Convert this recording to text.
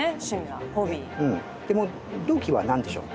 でも「どきっ！」は何でしょう？